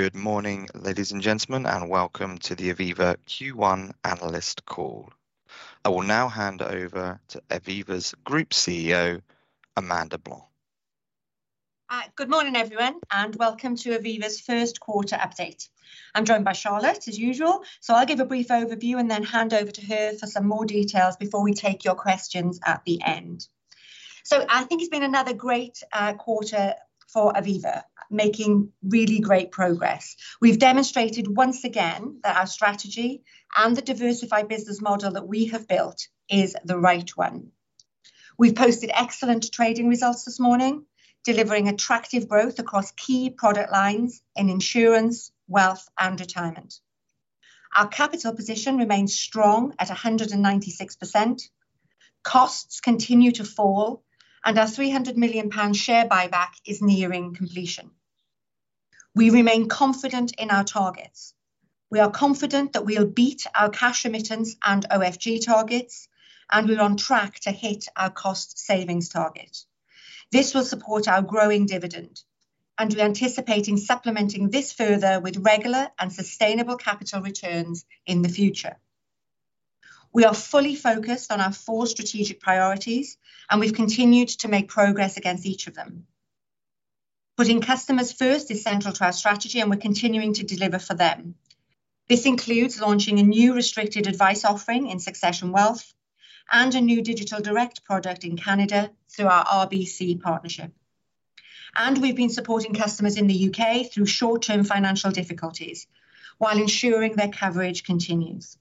Good morning, ladies and gentlemen, and welcome to the Aviva Q1 analyst call. I will now hand over to Aviva's Group CEO, Amanda Blanc. Good morning, everyone, and welcome to Aviva's first quarter update. I'm joined by Charlotte, as usual. I'll give a brief overview and then hand over to her for some more details before we take your questions at the end. I think it's been another great quarter for Aviva, making really great progress. We've demonstrated once again that our strategy and the diversified business model that we have built is the right one. We've posted excellent trading results this morning, delivering attractive growth across key product lines in insurance, wealth, and retirement. Our capital position remains strong at 196%, costs continue to fall, and our 300 million pound share buyback is nearing completion. We remain confident in our targets. We are confident that we'll beat our cash remittance and OFG targets, and we're on track to hit our cost savings target. This will support our growing dividend, and we're anticipating supplementing this further with regular and sustainable capital returns in the future. We are fully focused on our four strategic priorities, and we've continued to make progress against each of them. Putting customers first is central to our strategy, and we're continuing to deliver for them. This includes launching a new restricted advice offering in Succession Wealth and a new digital direct product in Canada through our RBC partnership. We've been supporting customers in the U.K. through short-term financial difficulties while ensuring their coverage continues.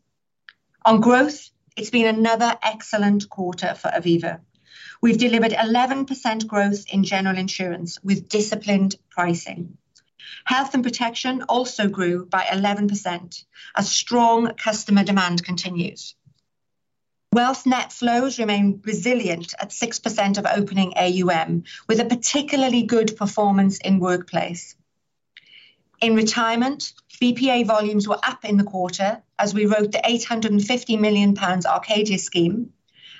On growth, it's been another excellent quarter for Aviva. We've delivered 11% growth in general insurance with disciplined pricing. Health and protection also grew by 11% as strong customer demand continues. Wealth net flows remain resilient at 6% of opening AUM, with a particularly good performance in workplace. In retirement, BPA volumes were up in the quarter as we wrote the 850 million pounds Arcadia scheme.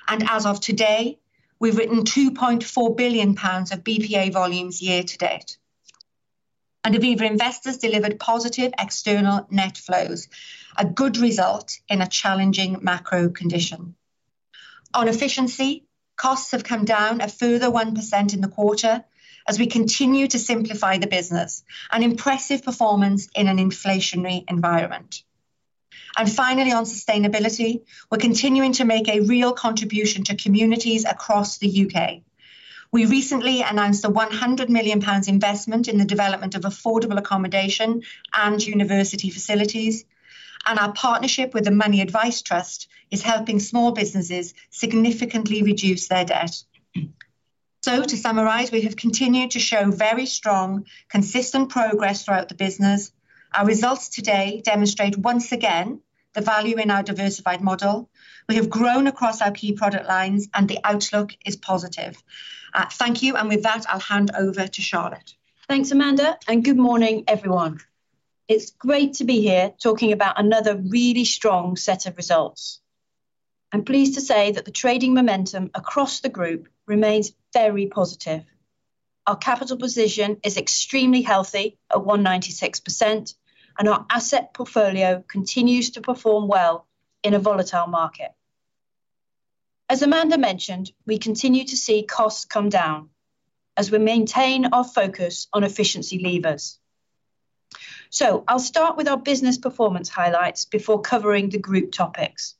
As of today, we've written 2.4 billion pounds of BPA volumes year to date. Aviva Investors delivered positive external net flows, a good result in a challenging macro condition. On efficiency, costs have come down a further 1% in the quarter as we continue to simplify the business, an impressive performance in an inflationary environment. Finally, on sustainability, we're continuing to make a real contribution to communities across the U.K. We recently announced a 100 million pounds investment in the development of affordable accommodation and university facilities. Our partnership with The Money Advice Trust is helping small businesses significantly reduce their debt. To summarize, we have continued to show very strong, consistent progress throughout the business. Our results today demonstrate once again the value in our diversified model. We have grown across our key product lines. The outlook is positive. Thank you. With that, I'll hand over to Charlotte. Thanks, Amanda. Good morning, everyone. It's great to be here talking about another really strong set of results. I'm pleased to say that the trading momentum across the group remains very positive. Our capital position is extremely healthy at 196%. Our asset portfolio continues to perform well in a volatile market. As Amanda mentioned, we continue to see costs come down as we maintain our focus on efficiency levers. I'll start with our business performance highlights before covering the group topics.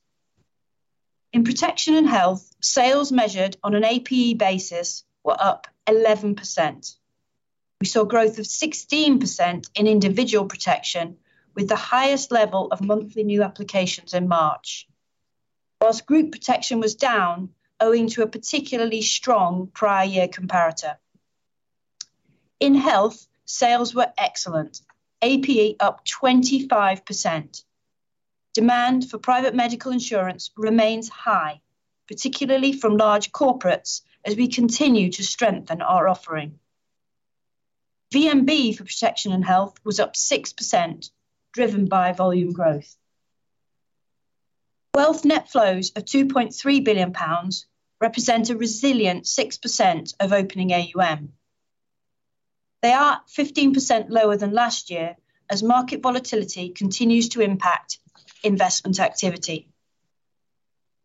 In protection and health, sales measured on an APE basis were up 11%. We saw growth of 16% in individual protection with the highest level of monthly new applications in March, whilst group protection was down owing to a particularly strong prior year comparator. In health, sales were excellent, APE up 25%. Demand for private medical insurance remains high, particularly from large corporates as we continue to strengthen our offering. VNB for protection and health was up 6%, driven by volume growth. Wealth net flows of 2.3 billion pounds represent a resilient 6% of opening AUM. They are 15% lower than last year as market volatility continues to impact investment activity.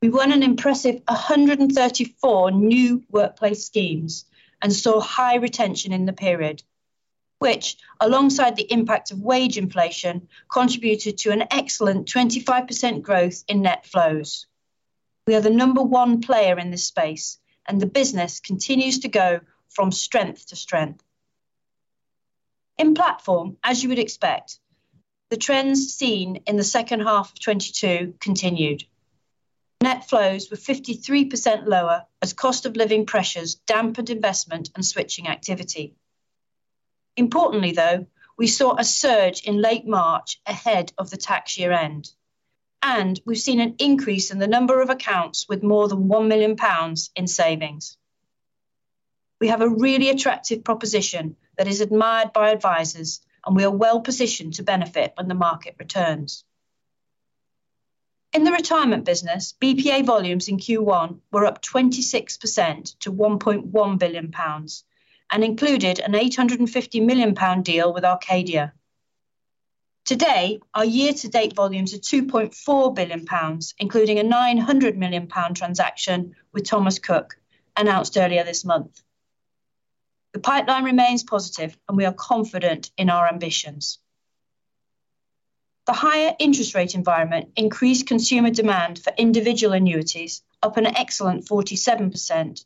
We won an impressive 134 new workplace schemes and saw high retention in the period, which alongside the impact of wage inflation contributed to an excellent 25% growth in net flows. We are the number one player in this space, and the business continues to go from strength to strength. In platform, as you would expect, the trends seen in the second half of 2022 continued. Net flows were 53% lower as cost of living pressures dampened investment and switching activity. Importantly, though, we saw a surge in late March ahead of the tax year end, and we've seen an increase in the number of accounts with more than 1 million pounds in savings. We have a really attractive proposition that is admired by advisors, and we are well positioned to benefit when the market returns. In the retirement business, BPA volumes in Q1 were up 26% to 1.1 billion pounds and included an 850 million pound deal with Arcadia. Today, our year-to-date volumes are 2.4 billion pounds, including a 900 million pound transaction with Thomas Cook announced earlier this month. The pipeline remains positive, and we are confident in our ambitions. The higher interest rate environment increased consumer demand for individual annuities up an excellent 47%,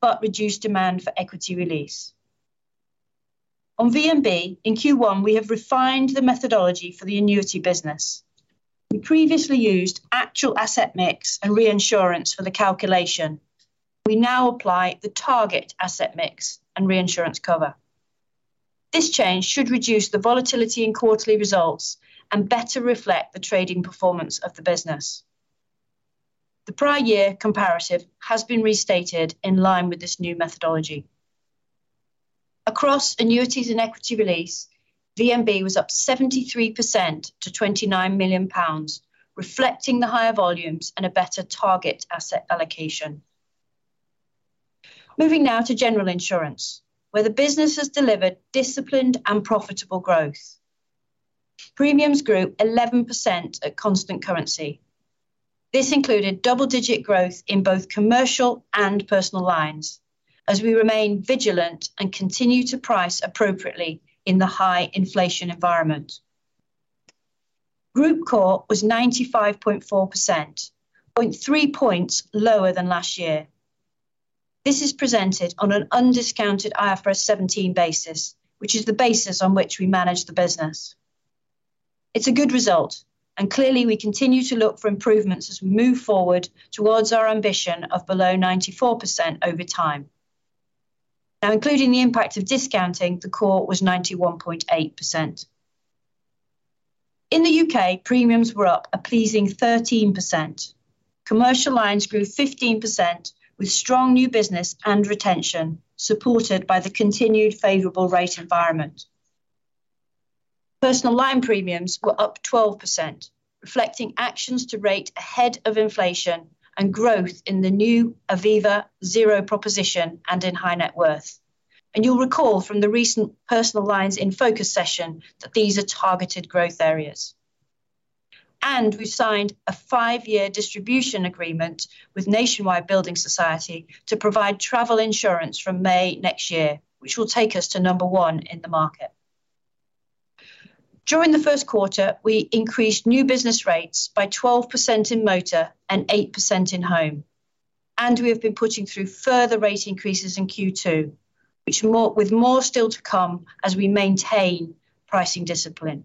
but reduced demand for equity release. On VNB, in Q1 we have refined the methodology for the annuity business. We previously used actual asset mix and reinsurance for the calculation. We now apply the target asset mix and reinsurance cover. This change should reduce the volatility in quarterly results and better reflect the trading performance of the business. The prior year comparative has been restated in line with this new methodology. Across annuities and equity release, VNB was up 73% to 29 million pounds, reflecting the higher volumes and a better target asset allocation. Moving now to General Insurance, where the business has delivered disciplined and profitable growth. Premiums grew 11% at constant currency. This included double-digit growth in both commercial and personal lines as we remain vigilant and continue to price appropriately in the high inflation environment. Group COR was 95.4%, 0.3 points lower than last year. This is presented on an undiscounted IFRS 17 basis, which is the basis on which we manage the business. It's a good result, and clearly we continue to look for improvements as we move forward towards our ambition of below 94% over time. Now including the impact of discounting, the COR was 91.8%. In the U.K., premiums were up a pleasing 13%. Commercial lines grew 15% with strong new business and retention, supported by the continued favorable rate environment. Personal line premiums were up 12%, reflecting actions to rate ahead of inflation and growth in the new Aviva Zero proposition and in high net worth. You'll recall from the recent Personal Lines in Focus session that these are targeted growth areas. We signed a five-year distribution agreement with Nationwide Building Society to provide travel insurance from May next year, which will take us to number one in the market. During the first quarter, we increased new business rates by 12% in motor and 8% in home, and we have been putting through further rate increases in Q2, with more still to come as we maintain pricing discipline.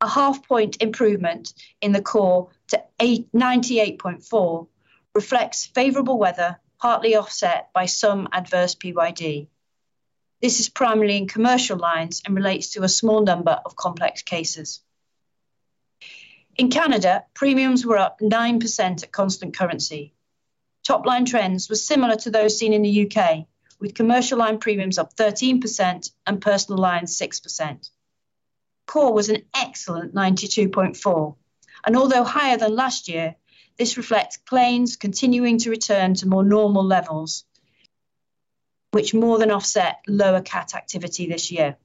A half point improvement in the COR to 98.4 reflects favorable weather, partly offset by some adverse PYD. This is primarily in commercial lines and relates to a small number of complex cases. In Canada, premiums were up 9% at constant currency. Top line trends were similar to those seen in the U.K., with commercial line premiums up 13% and personal lines 6%. COR was an excellent 92.4, although higher than last year, this reflects claims continuing to return to more normal levels, which more than offset lower cat activity this year.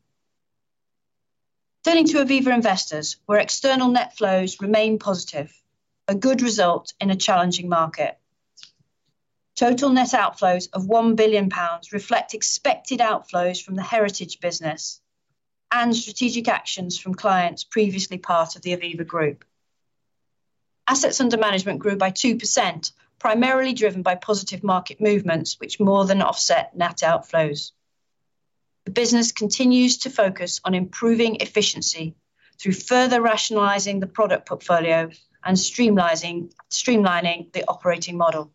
Turning to Aviva Investors, where external net flows remain positive, a good result in a challenging market. Total net outflows of 1 billion pounds reflect expected outflows from the Heritage business and strategic actions from clients previously part of the Aviva group. Assets under management grew by 2%, primarily driven by positive market movements, which more than offset net outflows. The business continues to focus on improving efficiency through further rationalizing the product portfolio and streamlining the operating model.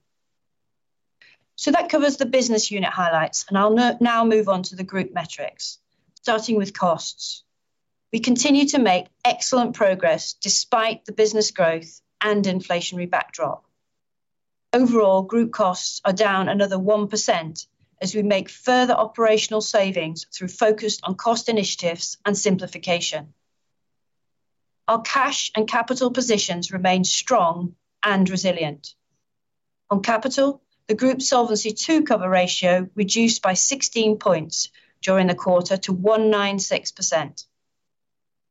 That covers the business unit highlights, and I'll now move on to the group metrics, starting with costs. We continue to make excellent progress despite the business growth and inflationary backdrop. Overall, group costs are down another 1% as we make further operational savings through focus on cost initiatives and simplification. Our cash and capital positions remain strong and resilient. On capital, the group Solvency II cover ratio reduced by 16 points during the quarter to 196%.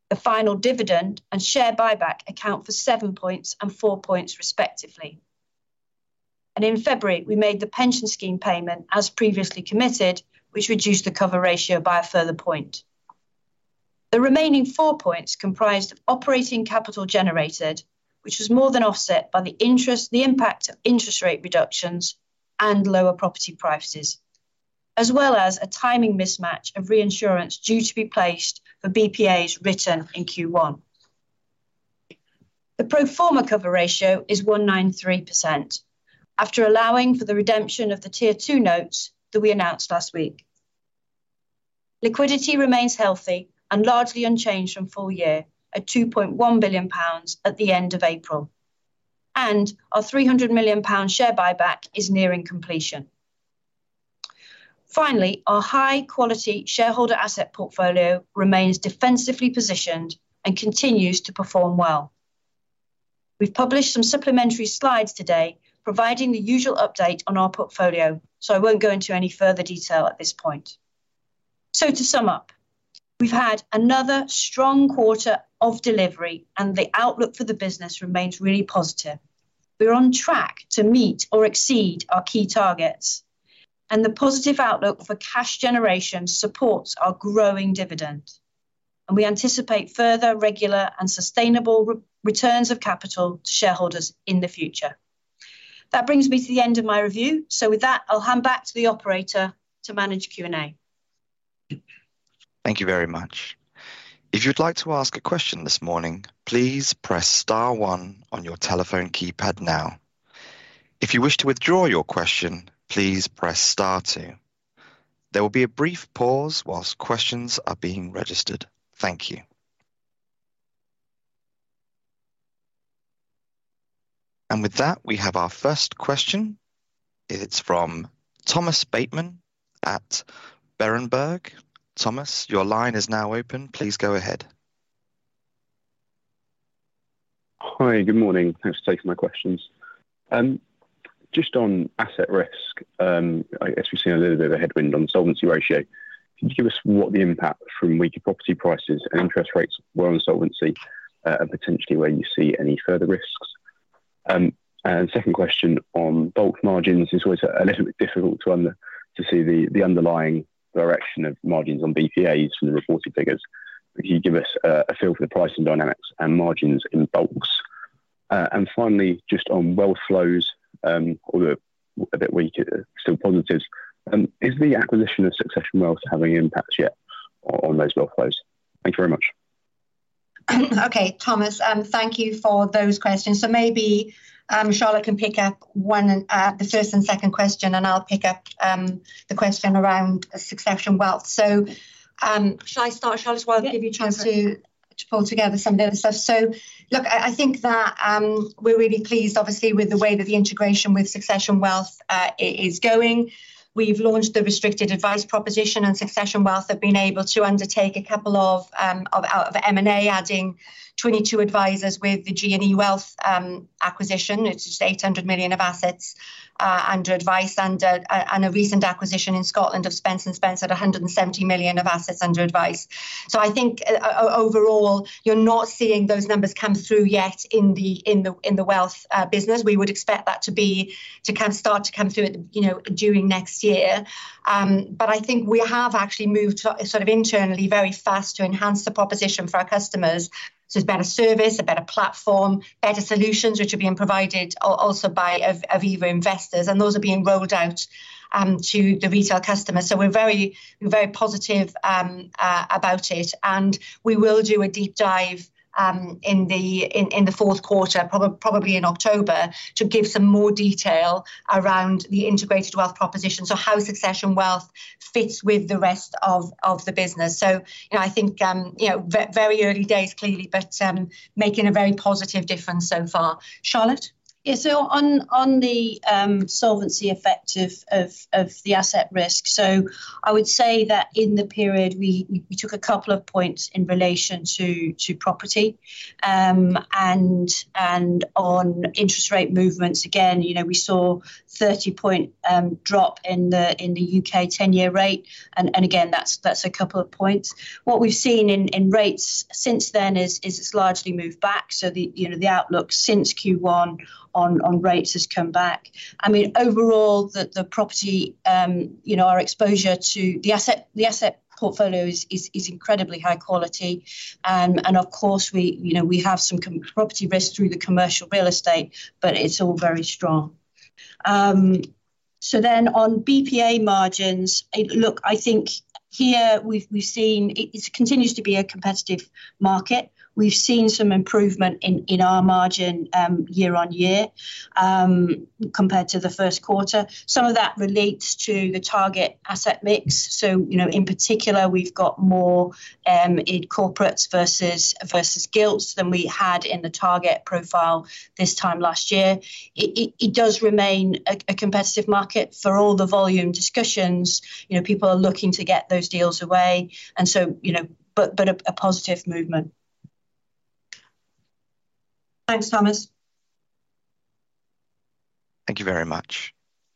The final dividend and share buyback account for seven points and four points respectively. In February, we made the pension scheme payment as previously committed, which reduced the cover ratio by a further point. The remaining four points comprised of operating capital generated, which was more than offset by the interest, the impact of interest rate reductions and lower property prices, as well as a timing mismatch of reinsurance due to be placed for BPAs written in Q1. The pro forma cover ratio is 193% after allowing for the redemption of the Tier 2 notes that we announced last week. Liquidity remains healthy and largely unchanged from full year at 2.1 billion pounds at the end of April. Our 300 million pound share buyback is nearing completion. Finally, our high quality shareholder asset portfolio remains defensively positioned and continues to perform well. We've published some supplementary slides today providing the usual update on our portfolio, I won't go into any further detail at this point. To sum up, we've had another strong quarter of delivery, The outlook for the business remains really positive. We are on track to meet or exceed our key targets, The positive outlook for cash generation supports our growing dividend, We anticipate further regular and sustainable re-returns of capital to shareholders in the future. That brings me to the end of my review. With that, I'll hand back to the operator to manage Q&A. Thank you very much. If you'd like to ask a question this morning, please press star one on your telephone keypad now. If you wish to withdraw your question, please press star two. There will be a brief pause whilst questions are being registered. Thank you. With that, we have our first question. It's from Thomas Bateman at Berenberg. Thomas, your line is now open. Please go ahead. Hi. Good morning. Thanks for taking my questions. Just on asset risk, I guess we've seen a little bit of a headwind on solvency ratio. Can you give us what the impact from weaker property prices and interest rates were on solvency, and potentially where you see any further risks? Second question on bulk margins, it's always a little bit difficult to see the underlying direction of margins on BPAs from the reported figures. Can you give us a feel for the pricing dynamics and margins in bulks? Finally, just on wealth flows, although a bit weak, still positives, is the acquisition of Succession Wealth having an impact yet on those wealth flows? Thank you very much. Okay, Thomas, thank you for those questions. Maybe Charlotte can pick up one and the first and second question, and I'll pick up the question around Succession Wealth. Shall I start, Charlotte, as well? Yeah. to give you a chance to pull together some of the other stuff. Look, I think that we're really pleased obviously with the way that the integration with Succession Wealth is going. We've launched the restricted advice proposition, and Succession Wealth have been able to undertake a couple of M&A, adding 22 advisors with the G&E Wealth acquisition. It's 800 million of assets under advice and a recent acquisition in Scotland of Spence and Spence at 170 million of assets under advice. Overall, you're not seeing those numbers come through yet in the wealth business. We would expect that to be, to kind of start to come through at, you know, during next year. I think we have actually moved sort of internally very fast to enhance the proposition for our customers. It's a better service, a better platform, better solutions which are being provided also by of Aviva Investors, and those are being rolled out to the retail customers. We're very positive about it, and we will do a deep dive in the fourth quarter, probably in October, to give some more detail around the integrated wealth proposition, so how Succession Wealth fits with the rest of the business. You know, I think, you know, very early days clearly, but making a very positive difference so far. Charlotte. Yeah. On the solvency effect of the asset risk, I would say that in the period we took a couple of points in relation to property. And on interest rate movements, again, you know, we saw a 30-point drop in the U.K. 10-year rate and again, that's a couple of points. What we've seen in rates since then is it's largely moved back. The, you know, the outlook since Q1 on rates has come back. I mean, overall the property, you know, our exposure to the asset portfolio is incredibly high quality. And of course we, you know, we have some property risk through the commercial real estate, but it's all very strong. On BPA margins. Look, I think here we've seen it continues to be a competitive market. We've seen some improvement in our margin year on year compared to the first quarter. Some of that relates to the target asset mix. You know, in particular, we've got more in corporates versus gilts than we had in the target profile this time last year. It does remain a competitive market for all the volume discussions. You know, people are looking to get those deals away, you know, but a positive movement. Thanks, Thomas. Thank you very much.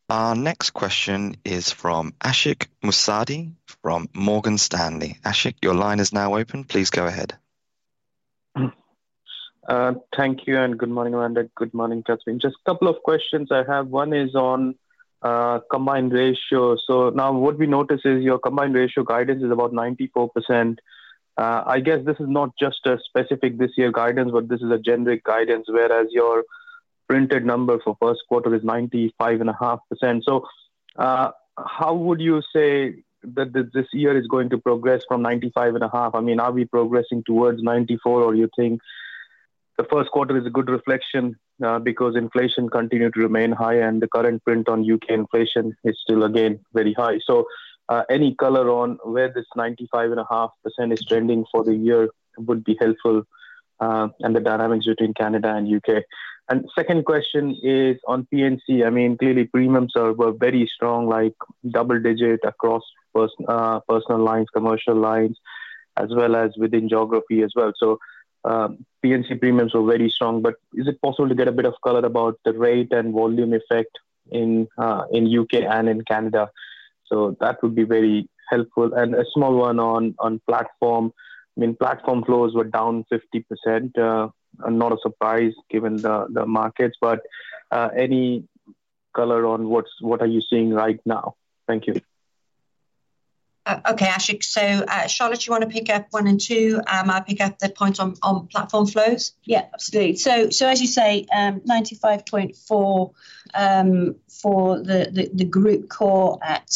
Our next question is from Ashik Musaddi from Morgan Stanley. Ashik, your line is now open. Please go ahead. Thank you, good morning, Amanda. Good morning, Charlotte. Just a couple of questions I have. One is on combined ratio. Now what we notice is your combined ratio guidance is about 94%. I guess this is not just a specific this year guidance, but this is a generic guidance, whereas your printed number for first quarter is 95.5%. How would you say this year is going to progress from 95.5? I mean, are we progressing towards 94, or you think the first quarter is a good reflection, because inflation continued to remain high and the current print on U.K. inflation is still again very high. Any color on where this 95.5% is trending for the year would be helpful. The dynamics between Canada and U.K. Second question is on P&C. I mean, clearly premiums were very strong, double digit across personal lines, commercial lines, as well as within geography as well. P&C premiums were very strong, is it possible to get a bit of color about the rate and volume effect in U.K. and in Canada? That would be very helpful. A small one on platform. I mean, platform flows were down 50%. Not a surprise given the markets. Any color on what are you seeing right now? Thank you. Okay, Ashik. Charlotte, you wanna pick up one and two, I'll pick up the point on platform flows. Yeah, absolutely. As you say, 95.4% for the group core at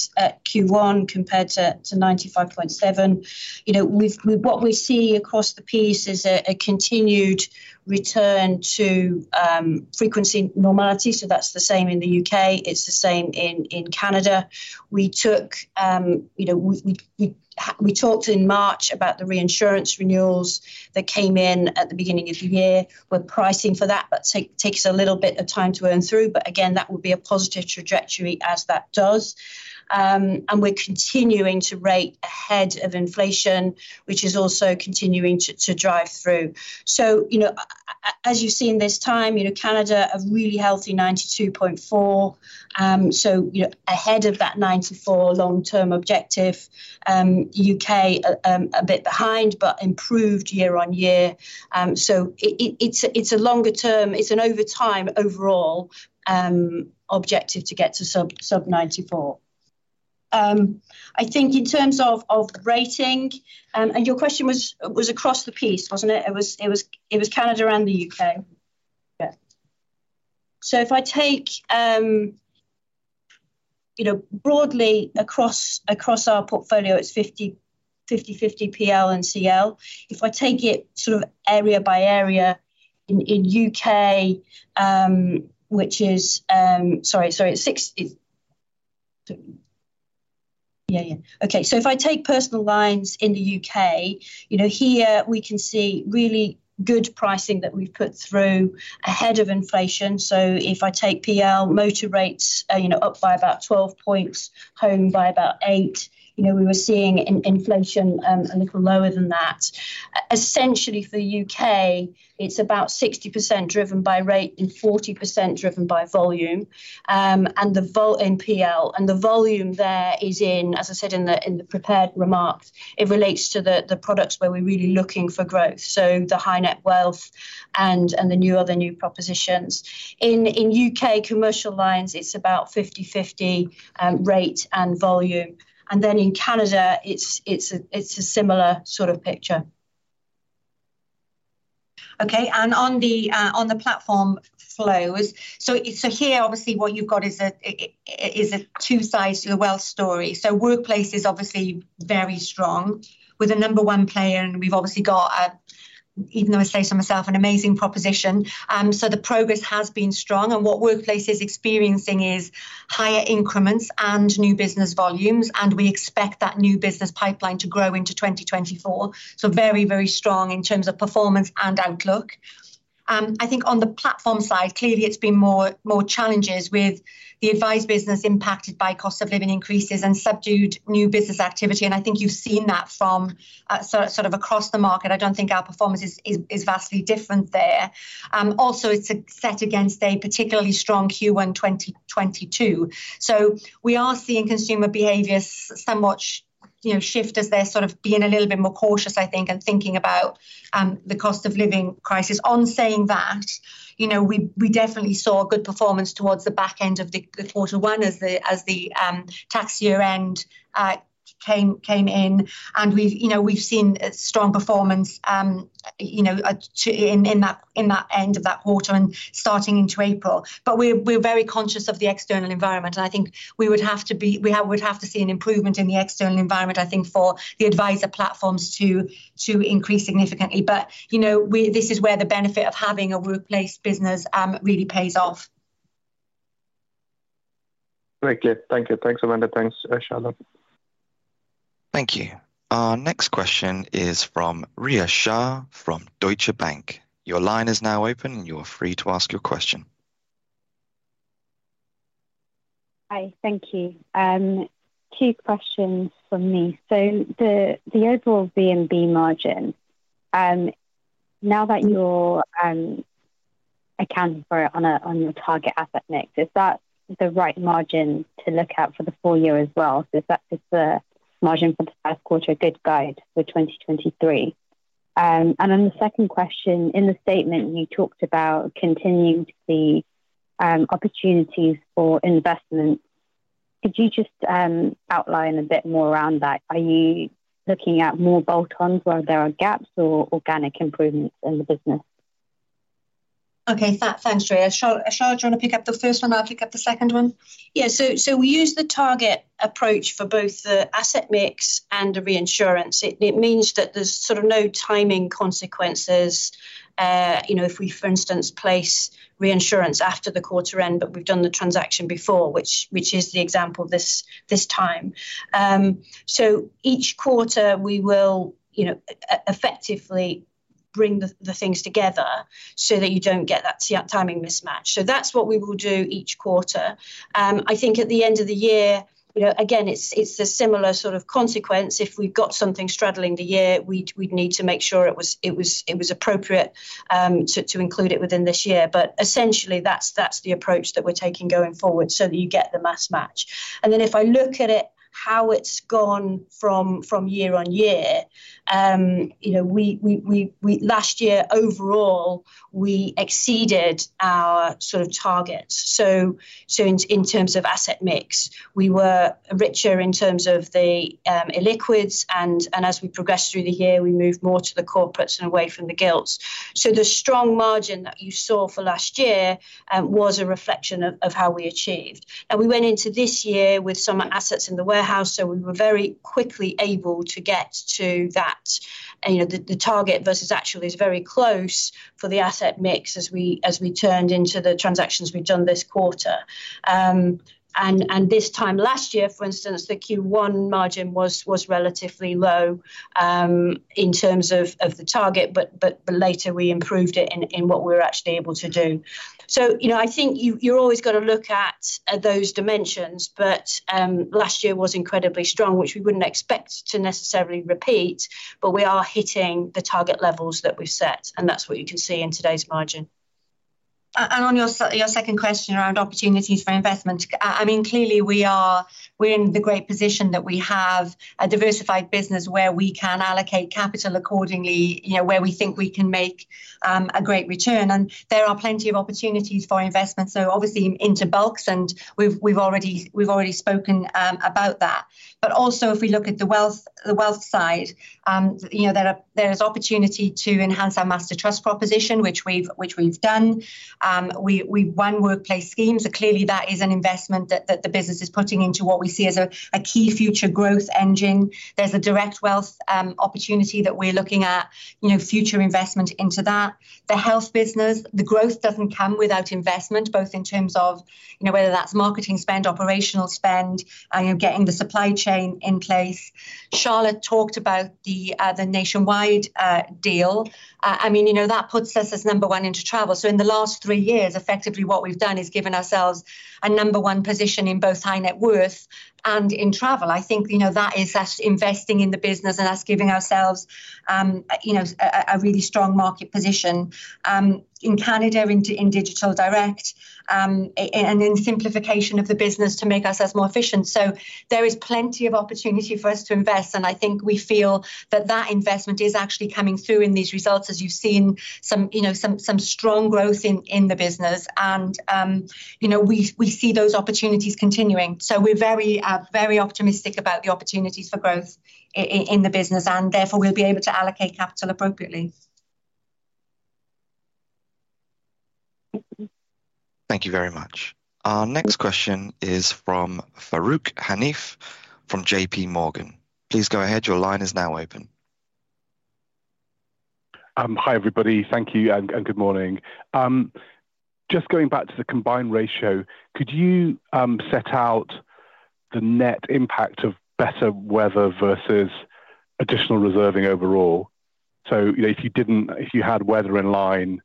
Q1 compared to 95.7%. You know, with what we see across the piece is a continued return to frequency normality, so that's the same in the U.K., it's the same in Canada. We took, you know, we talked in March about the reinsurance renewals that came in at the beginning of the year. We're pricing for that, but takes a little bit of time to earn through. Again, that would be a positive trajectory as that does. We're continuing to rate ahead of inflation, which is also continuing to drive through. You know, as you see in this time, you know, Canada a really healthy 92.4%. You know, ahead of that 94 long-term objective. U.K. a bit behind, but improved year on year. It's a, it's a longer term, it's an over time overall objective to get to sub-94. I think in terms of rating, your question was across the piece, wasn't it? It was, it was, it was Canada and the U.K. Yeah. If I take, you know, broadly across our portfolio, it's 50/50 PL and CL. If I take it sort of area by area in U.K., which is... six... Yeah, yeah. Okay. If I take personal lines in the U.K., you know, here we can see really good pricing that we've put through ahead of inflation. If I take PL motor rates, you know, up by about 12 points, home by about eight. You know, we were seeing in inflation a little lower than that. Essentially for the U.K., it's about 60% driven by rate and 40% driven by volume. And the NPL. And the volume there is in, as I said in the prepared remarks, it relates to the products where we're really looking for growth. The high net wealth and the new other propositions. In UK commercial lines, it's about 50/50 rate and volume. Then in Canada, it's a similar sort of picture. Okay. On the platform flows. Here obviously what you've got is a two sides to a wealth story. Workplace is obviously very strong with a number one player, and we've obviously got a, even though I say so myself, an amazing proposition. The progress has been strong, and what workplace is experiencing is higher increments and new business volumes, and we expect that new business pipeline to grow into 2024. Very strong in terms of performance and outlook. I think on the platform side, clearly it's been more challenges with the advice business impacted by cost of living increases and subdued new business activity. I think you've seen that from sort of across the market. I don't think our performance is vastly different there. Also it's set against a particularly strong Q1 2022. We are seeing consumer behavior somewhat, you know, shift as they're sort of being a little bit more cautious I think and thinking about the cost of living crisis. On saying that, you know, we definitely saw good performance towards the back end of the quarter one as the tax year-end came in. We've, you know, we've seen strong performance, you know, in that end of that quarter and starting into April. We're very conscious of the external environment, and I think we'd have to see an improvement in the external environment, I think for the advisor platforms to increase significantly. You know, this is where the benefit of having a workplace business really pays off. Great. Thank you. Thanks, Amanda. Thanks, Charlotte. Thank you. Our next question is from Rhea Shah from Deutsche Bank. Your line is now open and you are free to ask your question. Hi, thank you. Two questions from me. The overall VNB margin, now that you're accounting for it on your target asset mix, is that the right margin to look out for the full year as well? Is the margin for the first quarter a good guide for 2023? The second question, in the statement you talked about continuing to see opportunities for investment. Could you just outline a bit more around that? Are you looking at more bolt-ons where there are gaps or organic improvements in the business? Okay. Thanks, Rhea. Charlotte, do you wanna pick up the first one? I'll pick up the second one. Yeah. So we use the target approach for both the asset mix and the reinsurance. It means that there's sort of no timing consequences, you know, if we, for instance, place reinsurance after the quarter end, but we've done the transaction before, which is the example this time. Each quarter we will, you know, effectively bring the things together so that you don't get that timing mismatch. That's what we will do each quarter. I think at the end of the year, you know, again, it's a similar sort of consequence. If we've got something straddling the year, we'd need to make sure it was appropriate to include it within this year. Essentially, that's the approach that we're taking going forward so that you get the mass match. Then if I look at it, how it's gone from year-on-year, you know, we Last year overall, we exceeded our sort of target. In terms of asset mix, we were richer in terms of the illiquids and as we progressed through the year, we moved more to the corporates and away from the gilts. The strong margin that you saw for last year was a reflection of how we achieved. We went into this year with some assets in the warehouse, so we were very quickly able to get to that. You know, the target versus actual is very close for the asset mix as we turned into the transactions we've done this quarter. This time last year, for instance, the Q1 margin was relatively low, in terms of the target, but later we improved it in what we were actually able to do. You know, I think you're always gonna look at those dimensions, but last year was incredibly strong, which we wouldn't expect to necessarily repeat, but we are hitting the target levels that we've set, and that's what you can see in today's margin. On your second question around opportunities for investment, I mean, clearly we're in the great position that we have a diversified business where we can allocate capital accordingly, you know, where we think we can make a great return. There are plenty of opportunities for investment, so obviously into bulks, and we've already spoken about that. Also if we look at the wealth side, you know, there's opportunity to enhance our Master Trust proposition, which we've done. We've won workplace schemes. Clearly that is an investment that the business is putting into what we see as a key future growth engine. There's a direct wealth opportunity that we're looking at, you know, future investment into that. The health business, the growth doesn't come without investment, both in terms of, you know, whether that's marketing spend, operational spend, you know, getting the supply chain in place. Charlotte talked about the Nationwide deal. I mean, you know, that puts us as number one into travel. In the last three years, effectively what we've done is given ourselves a number one position in both high net worth and in travel. I think, you know, that is us investing in the business and us giving ourselves, you know, a really strong market position in Canada, in digital direct, and in simplification of the business to make us as more efficient. There is plenty of opportunity for us to invest, and I think we feel that that investment is actually coming through in these results as you've seen some, you know, some strong growth in the business. You know, we see those opportunities continuing. We're very, very optimistic about the opportunities for growth in the business, and therefore we'll be able to allocate capital appropriately. Thank you very much. Our next question is from Farooq Hanif from JPMorgan. Please go ahead. Your line is now open. Hi, everybody. Thank you and good morning. Just going back to the combined ratio, could you set out the net impact of better weather versus additional reserving overall? You know, if you had weather in line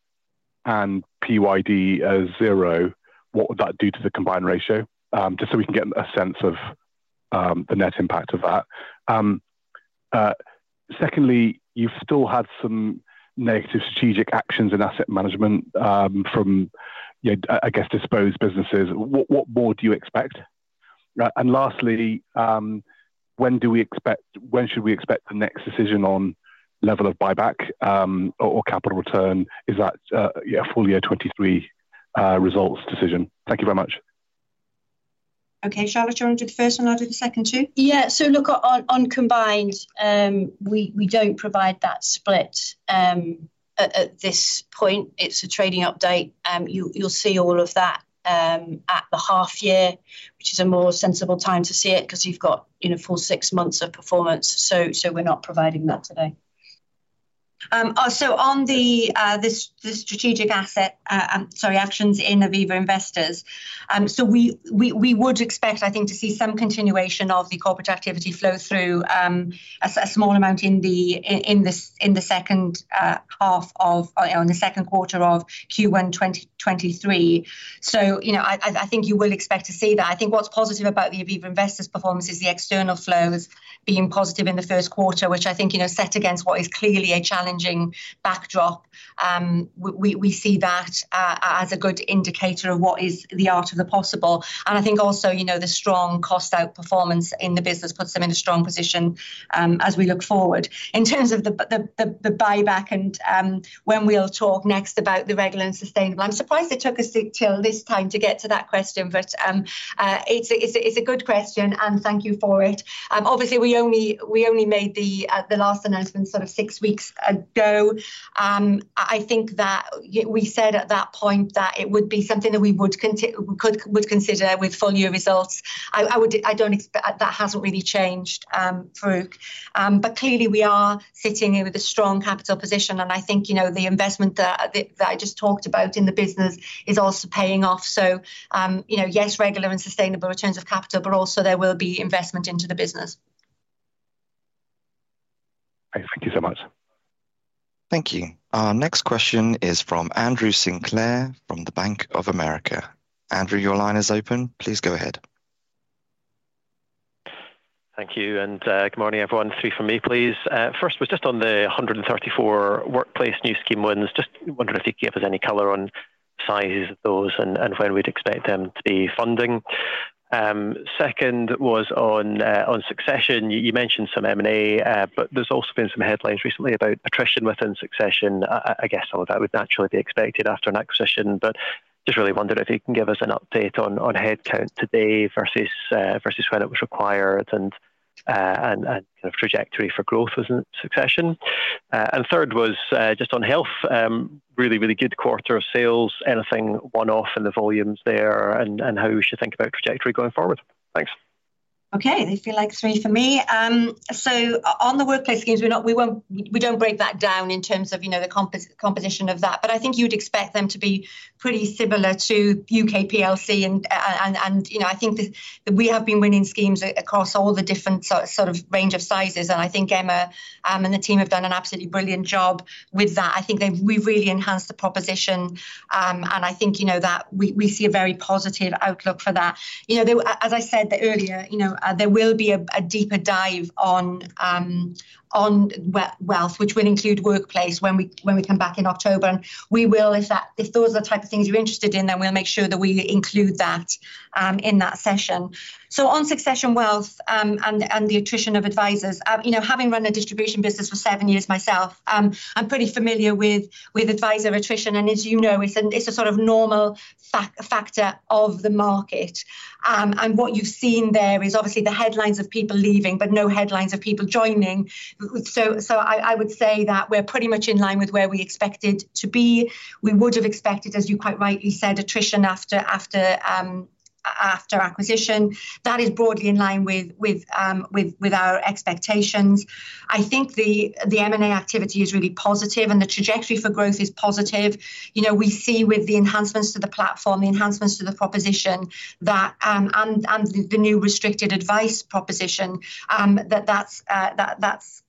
and PYD as zero, what would that do to the combined ratio? Just so we can get a sense of the net impact of that. Secondly, you've still had some negative strategic actions in asset management from, you know, I guess disposed businesses. What more do you expect? Right. Lastly, when should we expect the next decision on level of buyback or capital return? Is that, yeah, full year 23 results decision? Thank you very much. Okay. Charlotte, do you wanna do the first one? I'll do the second two. Yeah. Look, on combined, we don't provide that split, at this point. It's a trading update. You'll see all of that, at the half year, which is a more sensible time to see it 'cause you've got, you know, full six months of performance. We're not providing that today. On the strategic asset, sorry, actions in Aviva Investors, we would expect, I think, to see some continuation of the corporate activity flow through, a small amount in the second quarter of Q1 2023. You know, I think you will expect to see that. I think what's positive about the Aviva Investors performance is the external flows being positive in the first quarter, which I think, you know, set against what is clearly a challenging backdrop, we see that as a good indicator of what is the art of the possible. I think also, you know, the strong cost out performance in the business puts them in a strong position, as we look forward. In terms of the buyback and when we'll talk next about the regular and sustainable, I'm surprised it took us till this time to get to that question, it's a good question, and thank you for it. Obviously, we only made the last announcement sort of six weeks ago. I think that we said at that point that it would be something that we would consider with full year results. I don't expe-- That hasn't really changed, Farouk. Clearly we are sitting here with a strong capital position, and I think, you know, the investment that I just talked about in the business is also paying off. Yes, you know, regular and sustainable returns of capital, but also there will be investment into the business. Thank you so much. Thank you. Our next question is from Andrew Sinclair from the Bank of America. Andrew, your line is open. Please go ahead. Thank you, good morning, everyone. Three from me, please. First was just on the 134 workplace new scheme wins. Just wondering if you could give us any color on size of those and when we'd expect them to be funding. Second was on Succession. You mentioned some M&A, but there's also been some headlines recently about attrition within Succession. I guess some of that would naturally be expected after an acquisition, but just really wondered if you can give us an update on headcount today versus when it was acquired and kind of trajectory for growth within Succession. Third was just on health. Really, really good quarter of sales. Anything one-off in the volumes there and how we should think about trajectory going forward? Thanks. Okay. They feel like three for me. On the workplace schemes, we don't break that down in terms of, you know, the composition of that. I think you'd expect them to be pretty similar to UK PLC and, you know, I think that we have been winning schemes across all the different sort of range of sizes. I think Emma, and the team have done an absolutely brilliant job with that. We've really enhanced the proposition. I think, you know, that we see a very positive outlook for that. You know, though, as I said earlier, you know, there will be a deeper dive on wealth, which will include workplace when we, when we come back in October. We will if those are the type of things you're interested in, then we'll make sure that we include that in that session. On Succession Wealth, and the attrition of advisors, you know, having run a distribution business for seven years myself, I'm pretty familiar with advisor attrition. As you know, it's a sort of normal factor of the market. What you've seen there is obviously the headlines of people leaving, but no headlines of people joining. So I would say that we're pretty much in line with where we expected to be. We would have expected, as you quite rightly said, attrition after acquisition. That is broadly in line with our expectations. I think the M&A activity is really positive and the trajectory for growth is positive. You know, we see with the enhancements to the platform, the enhancements to the proposition that the new restricted advice proposition that's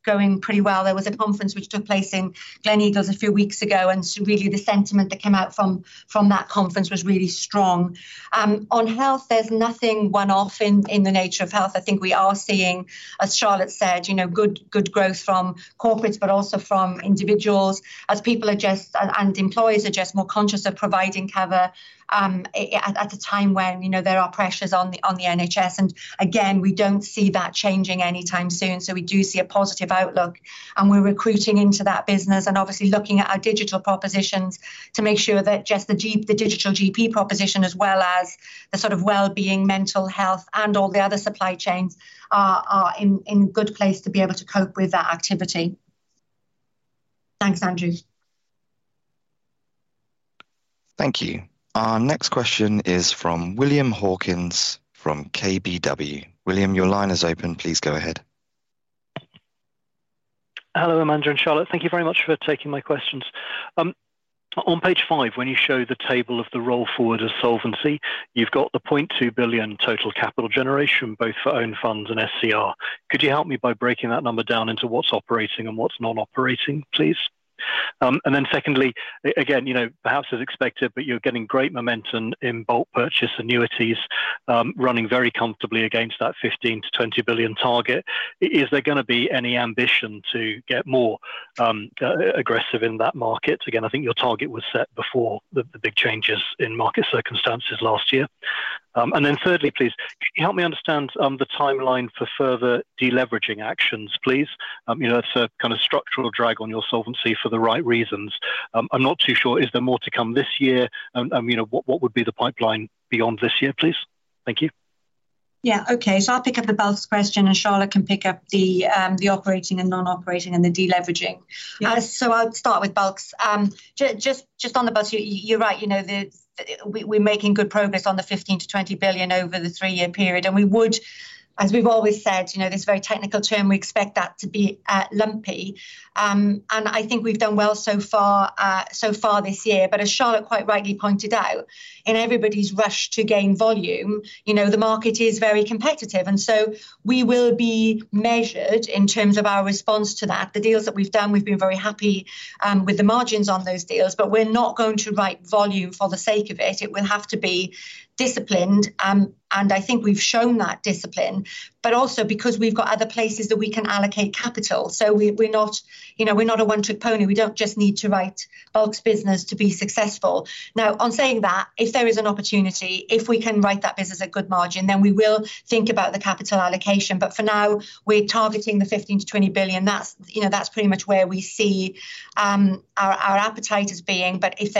going pretty well. There was a conference which took place in Gleneagles a few weeks ago, really the sentiment that came out from that conference was really strong. On health, there's nothing one-off in the nature of health. I think we are seeing, as Charlotte said, you know, good growth from corporates but also from individuals as people are just, and employers are just more conscious of providing cover at a time when, you know, there are pressures on the NHS. Again, we don't see that changing anytime soon. We do see a positive outlook, and we're recruiting into that business and obviously looking at our digital propositions to make sure that the digital GP proposition as well as the sort of wellbeing, mental health and all the other supply chains are in good place to be able to cope with that activity. Thanks, Andrew. Thank you. Our next question is from William Hawkins from KBW. William, your line is open. Please go ahead. Hello, Amanda and Charlotte. Thank you very much for taking my questions. On page five, when you show the table of the roll forward of solvency, you've got the 0.2 billion total capital generation both for own funds and SCR. Could you help me by breaking that number down into what's operating and what's non-operating, please? Secondly, again, you know, perhaps as expected, but you're getting great momentum in bulk purchase annuities, running very comfortably against that 15 billion-20 billion target. Is there going to be any ambition to get more aggressive in that market? Again, I think your target was set before the big changes in market circumstances last year. Thirdly, please, could you help me understand the timeline for further deleveraging actions, please? You know, it's a kind of structural drag on your solvency for the right reasons. I'm not too sure, is there more to come this year? You know, what would be the pipeline beyond this year, please? Thank you. Yeah. Okay. I'll pick up the bulks question, and Charlotte can pick up the operating and non-operating and the deleveraging. Yeah. I'll start with bulks. Just on the bulks, you're right. You know, we're making good progress on the 15 billion-20 billion over the three-year period. We would, as we've always said, you know, this very technical term, we expect that to be lumpy. I think we've done well so far this year. As Charlotte quite rightly pointed out, in everybody's rush to gain volume, you know, the market is very competitive. So we will be measured in terms of our response to that. The deals that we've done, we've been very happy with the margins on those deals. We're not going to write volume for the sake of it. It will have to be disciplined. I think we've shown that discipline. Also because we've got other places that we can allocate capital. We're not, you know, we're not a one-trick pony. We don't just need to write bulks business to be successful. Now, on saying that, if there is an opportunity, if we can write that business at good margin, then we will think about the capital allocation. For now, we're targeting the 15 billion-20 billion. That's, you know, that's pretty much where we see our appetite as being. If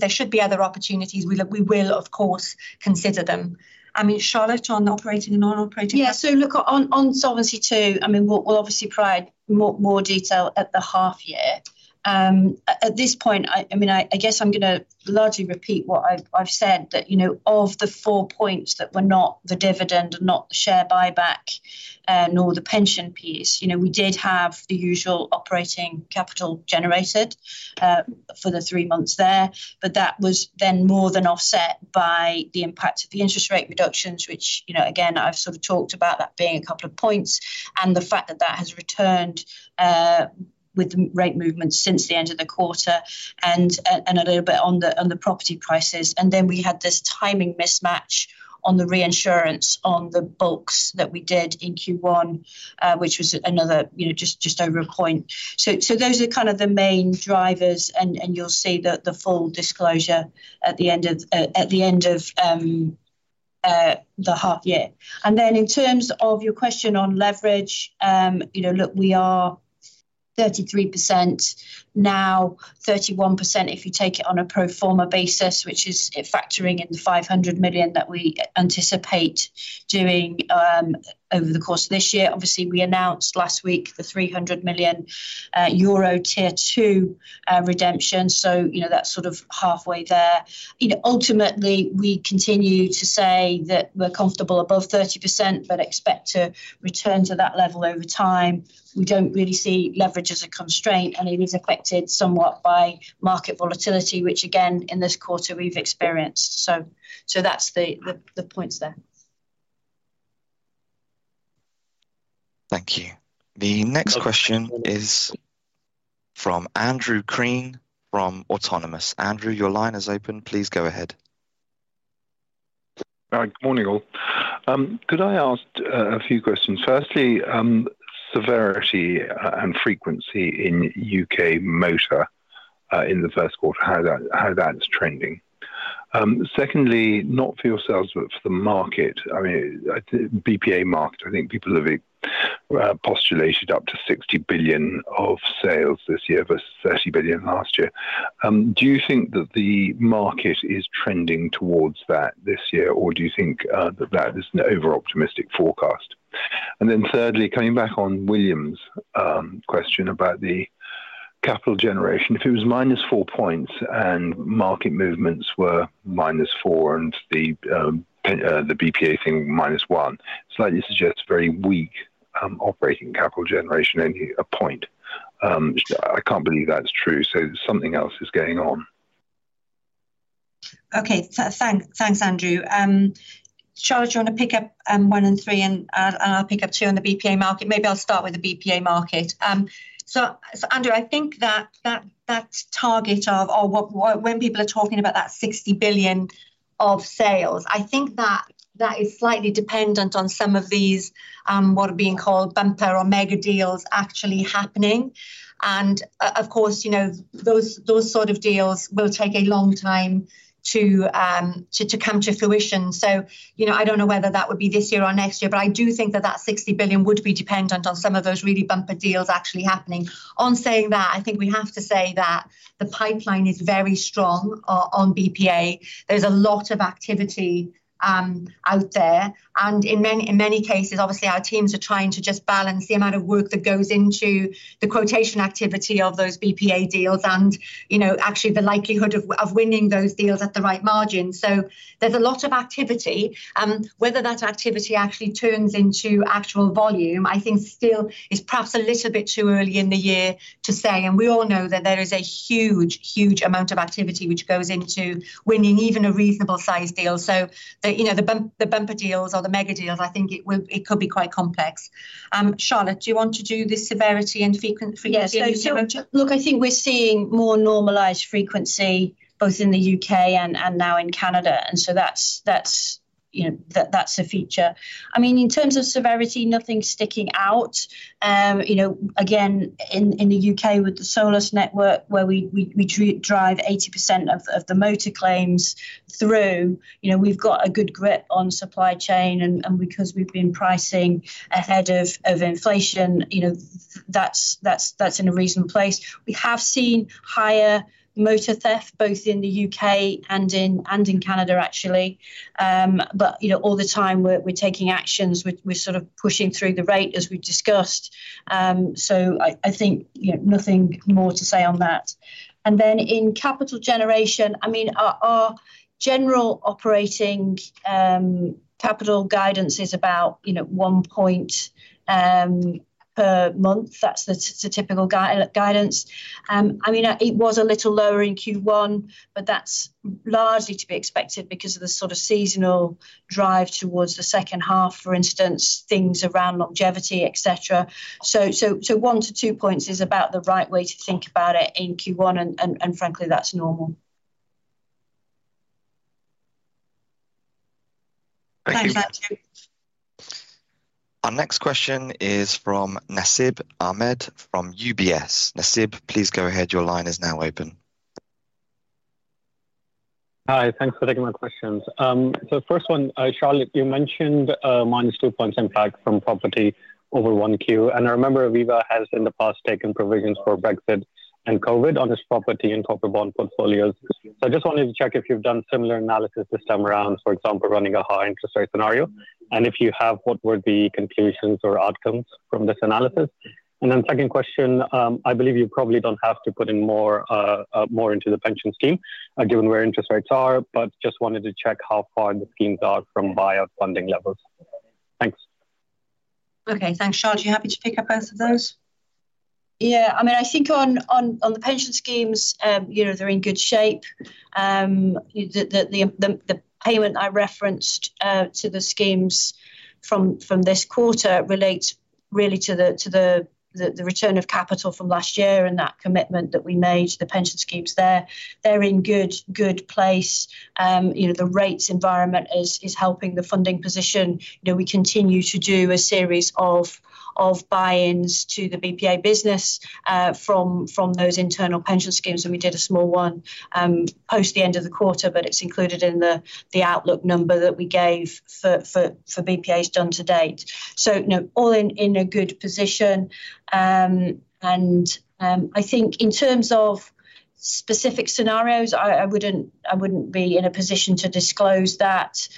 there should be other opportunities, we will of course consider them. I mean, Charlotte on operating and non-operating. Look, on Solvency II, I mean, we'll obviously provide more detail at the half year. At this point, I mean, I guess I'm gonna largely repeat what I've said that, you know, of the four points that were not the dividend and not the share buyback, nor the pension piece, you know, we did have the usual operating capital generated for the three months there. That was then more than offset by the impact of the interest rate reductions, which, you know, again, I've sort of talked about that being a couple of points and the fact that that has returned. With rate movements since the end of the quarter and a little bit on the property prices. We had this timing mismatch on the reinsurance on the books that we did in Q1, which was another, you know, just over a point. Those are kind of the main drivers, and you'll see the full disclosure at the end of the half year. In terms of your question on leverage, you know, look, we are 33% now, 31% if you take it on a pro forma basis, which is factoring in the 500 million that we anticipate doing over the course of this year. Obviously, we announced last week the 300 million euro Tier 2 redemption, so, you know, that's sort of halfway there. You know, ultimately, we continue to say that we're comfortable above 30%, but expect to return to that level over time. We don't really see leverage as a constraint, and it is affected somewhat by market volatility, which again, in this quarter we've experienced. That's the points there. Thank you. The next question is from Andrew Crean from Autonomous. Andrew, your line is open. Please go ahead. All right. Good morning, all. Could I ask a few questions? Firstly, severity and frequency in U.K. motor in the first quarter, how that's trending. Secondly, not for yourselves, but for the market, I mean, the BPA market, I think people have postulated up to 60 billion of sales this year versus 30 billion last year. Do you think that the market is trending towards that this year, or do you think that that is an overoptimistic forecast? Thirdly, coming back on William's question about the capital generation. If it was minus four points and market movements were minus four and the BPA thing minus one, slightly suggests very weak operating capital generation, only one point. I can't believe that's true, something else is going on. Okay. Thanks, Andrew. Charlotte, do you wanna pick up one and three, and I'll pick up two on the BPA market. Maybe I'll start with the BPA market. Andrew, I think that target of or what when people are talking about that 60 billion of sales, I think that is slightly dependent on some of these, what are being called bumper or mega deals actually happening. Of course, you know, those sort of deals will take a long time to come to fruition. You know, I don't know whether that would be this year or next year, but I do think that 60 billion would be dependent on some of those really bumper deals actually happening. On saying that, I think we have to say that the pipeline is very strong on BPA. There's a lot of activity out there. In many, in many cases, obviously our teams are trying to just balance the amount of work that goes into the quotation activity of those BPA deals and, you know, actually the likelihood of winning those deals at the right margin. There's a lot of activity. Whether that activity actually turns into actual volume, I think still is perhaps a little bit too early in the year to say. We all know that there is a huge, huge amount of activity which goes into winning even a reasonable size deal. The, you know, the bumper deals or the mega deals, I think it could be quite complex. Charlotte, do you want to do the severity and frequency. Look, I think we're seeing more normalized frequency both in the U.K. and now in Canada. That's, you know, that's a feature. I mean, in terms of severity, nothing sticking out. You know, again, in the U.K. with the Solus network where we drive 80% of the motor claims through, you know, we've got a good grip on supply chain and because we've been pricing ahead of inflation, you know, that's in a reasonable place. We have seen higher motor theft, both in the U.K. and in Canada actually. You know, all the time we're taking actions. We're sort of pushing through the rate as we discussed. I think, you know, nothing more to say on that. In capital generation, I mean, our general operating capital guidance is about, you know, one point per month. That's the typical guidance. I mean, it was a little lower in Q1, but that's largely to be expected because of the sort of seasonal drive towards the second half, for instance, things around longevity, et cetera. One to two points is about the right way to think about it in Q1, and frankly, that's normal. Thank you. Thanks, Andrew. Our next question is from Nasib Ahmed from UBS. Nasib, please go ahead. Your line is now open. Hi. Thanks for taking my questions. First one, Charlotte, you mentioned minus two points impact from property over 1Q. I remember Aviva has in the past taken provisions for Brexit and COVID on its property and corporate bond portfolios. I just wanted to check if you've done similar analysis this time around, for example, running a high interest rate scenario. If you have, what were the conclusions or outcomes from this analysis? Second question, I believe you probably don't have to put in more into the pension scheme given where interest rates are. Just wanted to check how far the schemes are from buyout funding levels. Thanks. Okay. Thanks. Charlotte, are you happy to pick up both of those? I mean, I think on the pension schemes, you know, they're in good shape. The payment I referenced to the schemes from this quarter relates Really to the return of capital from last year and that commitment that we made to the pension schemes there. They're in good place. You know, the rates environment is helping the funding position. You know, we continue to do a series of buy-ins to the BPA business from those internal pension schemes, and we did a small one post the end of the quarter, but it's included in the outlook number that we gave for BPA's done to date. You know, all in a good position. I think in terms of specific scenarios, I wouldn't be in a position to disclose that.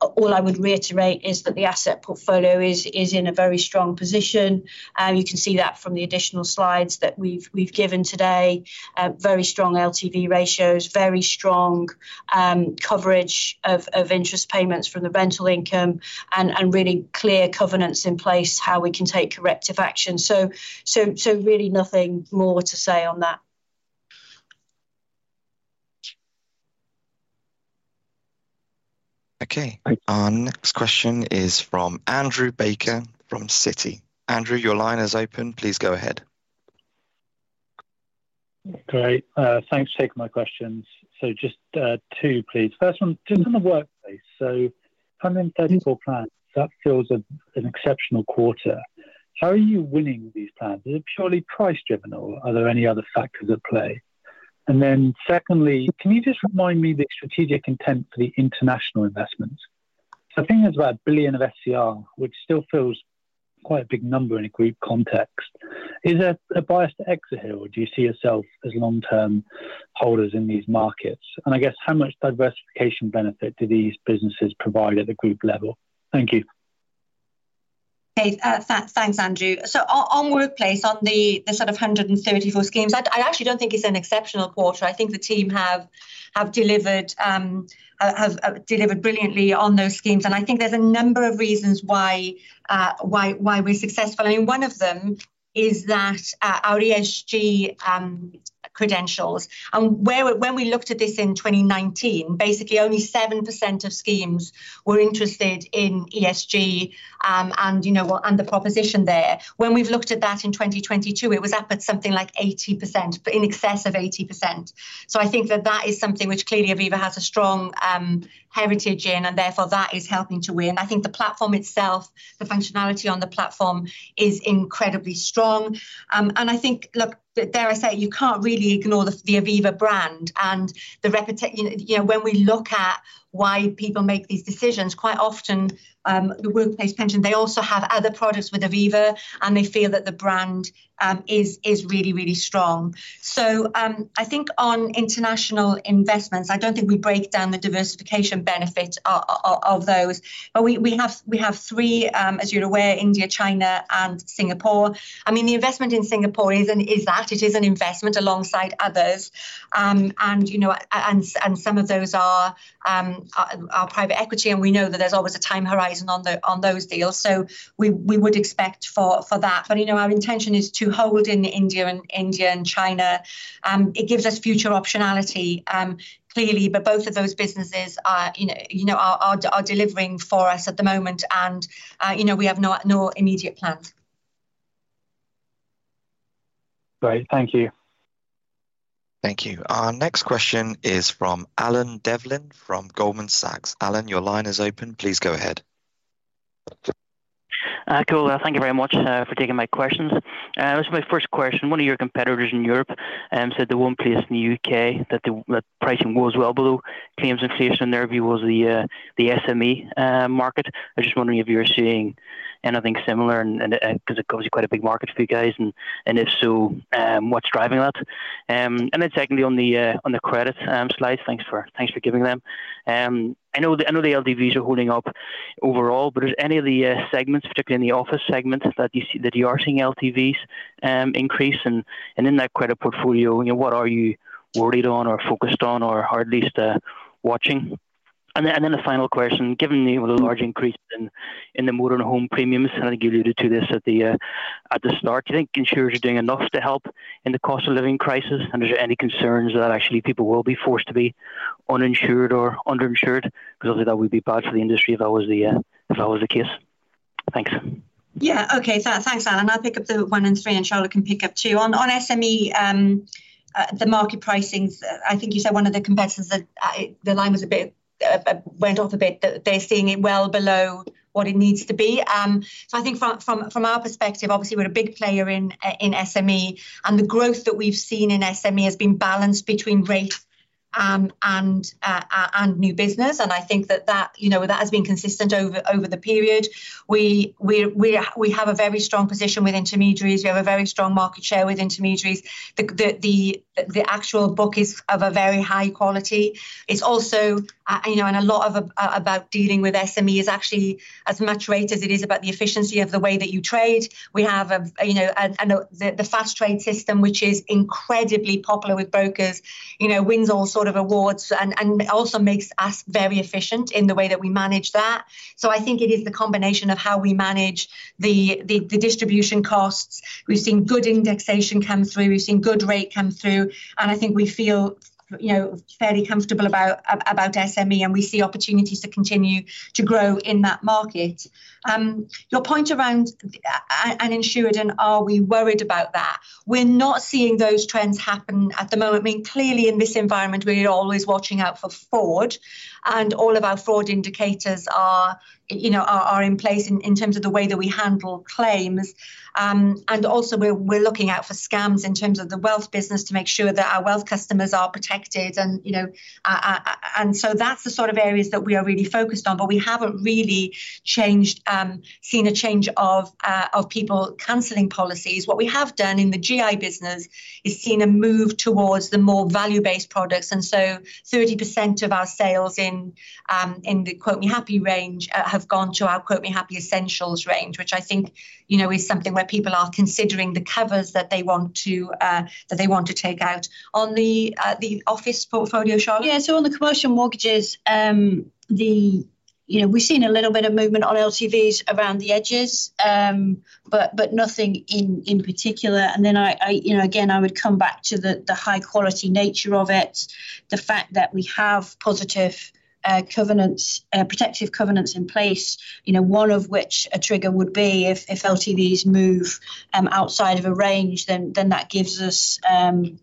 All I would reiterate is that the asset portfolio is in a very strong position. You can see that from the additional slides that we've given today. Very strong LTV ratios, very strong coverage of interest payments from the rental income and really clear covenants in place how we can take corrective action. Really nothing more to say on that. Our next question is from Andrew Baker from Citi. Andrew, your line is open. Please go ahead. Great. Thanks for taking my questions. Just two please. First one, just on the workplace. 134 plans, that feels an exceptional quarter. How are you winning these plans? Is it purely price driven or are there any other factors at play? Secondly, can you just remind me the strategic intent for the international investments? I think there's about 1 billion of SCR, which still feels quite a big number in a group context. Is there a bias to exit here or do you see yourself as long-term holders in these markets? I guess how much diversification benefit do these businesses provide at the group level? Thank you. Okay. Thanks, Andrew. On workplace, on the sort of 134 schemes, I actually don't think it's an exceptional quarter. I think the team have delivered brilliantly on those schemes. I think there's a number of reasons why we're successful. I mean, one of them is that our ESG credentials. When we looked at this in 2019, basically only 7% of schemes were interested in ESG, and, you know, and the proposition there. When we've looked at that in 2022, it was up at something like 80%, but in excess of 80%. I think that is something which clearly Aviva has a strong heritage in, and therefore that is helping to win. I think the platform itself, the functionality on the platform is incredibly strong. I think, look, dare I say, you can't really ignore the Aviva brand and the reputation. You know, when we look at why people make these decisions, quite often, the workplace pension, they also have other products with Aviva, and they feel that the brand is really strong. I think on international investments, I don't think we break down the diversification benefit of those. We have three, as you're aware, India, China and Singapore. I mean, the investment in Singapore is an investment alongside others. You know, and some of those are private equity, and we know that there's always a time horizon on those deals. We would expect for that. You know, our intention is to hold in India and China. It gives us future optionality, clearly. Both of those businesses are, you know, are delivering for us at the moment and, you know, we have no immediate plans. Great. Thank you. Thank you. Our next question is from Alan Devlin from Goldman Sachs. Alan, your line is open. Please go ahead. Cool. Thank you very much for taking my questions. This is my first question. One of your competitors in Europe said the one place in the U.K. that pricing was well below claims inflation, in their view, was the SME market. I'm just wondering if you're seeing anything similar and 'cause it obviously quite a big market for you guys. If so, what's driving that? Then secondly, on the credit slide, thanks for giving them. I know the LTVs are holding up overall, but is any of the segments, particularly in the office segments, that you are seeing LTVs increase? In that credit portfolio, you know, what are you worried on or focused on or at least watching? Then the final question, given the large increase in the motor and home premiums, I know you alluded to this at the start, do you think insurers are doing enough to help in the cost of living crisis? Are there any concerns that actually people will be forced to be uninsured or underinsured? 'Cause obviously, that would be bad for the industry if that was the case. Thanks. Okay. Thanks, Alan. I'll pick up the one and three, Charlotte can pick up two. On SME, the market pricing, I think you said one of the competitors that the line was a bit went off a bit, that they're seeing it well below what it needs to be. I think from our perspective, obviously we're a big player in SME, and the growth that we've seen in SME has been balanced between rate and new business. I think that, you know, that has been consistent over the period. We have a very strong position with intermediaries. We have a very strong market share with intermediaries. The actual book is of a very high quality. It's also, you know, and a lot about dealing with SME is actually as much rate as it is about the efficiency of the way that you trade. We have, you know, the Fast Trade system, which is incredibly popular with brokers. You know, wins all sort of awards and also makes us very efficient in the way that we manage that. I think it is the combination of how we manage the distribution costs. We've seen good indexation come through. We've seen good rate come through. I think we feel, you know, fairly comfortable about SME, and we see opportunities to continue to grow in that market. Your point around uninsured and are we worried about that? We're not seeing those trends happen at the moment. I mean, clearly in this environment we are always watching out for fraud, and all of our fraud indicators are, you know, are in place in terms of the way that we handle claims. Also we're looking out for scams in terms of the wealth business to make sure that our wealth customers are protected and, you know, and so that's the sort of areas that we are really focused on, but we haven't really changed, seen a change of people canceling policies. What we have done in the GI business is seen a move towards the more value-based products. 30% of our sales in the Quote Me Happy range have gone to our Quote Me Happy Essentials range, which I think, you know, is something where people are considering the covers that they want to that they want to take out. On the office portfolio, Charlotte? On the commercial mortgages, you know, we've seen a little bit of movement on LTVs around the edges, but nothing in particular. I, you know, again, I would come back to the high quality nature of it. The fact that we have positive covenants, protective covenants in place, you know, one of which a trigger would be if LTVs move outside of a range then that gives us an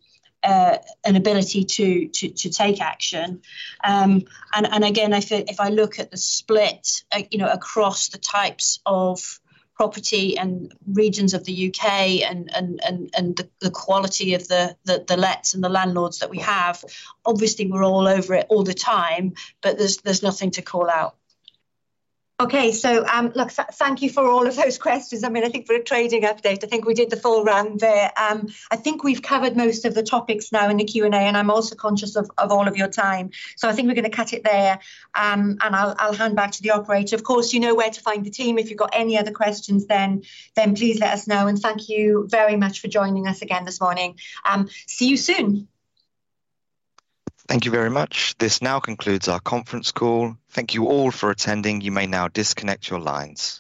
ability to take action. Again, I think if I look at the split, you know, across the types of property and regions of the U.K. and the quality of the lets and the landlords that we have, obviously we're all over it all the time, but there's nothing to call out. Okay. Look, thank you for all of those questions. I mean, I think for a trading update, I think we did the full run there. I think we've covered most of the topics now in the Q&A. I'm also conscious of all of your time. I think we're gonna cut it there. I'll hand back to the operator. Of course, you know where to find the team. If you've got any other questions then please let us know. Thank you very much for joining us again this morning. See you soon. Thank you very much. This now concludes our conference call. Thank you all for attending. You may now disconnect your lines.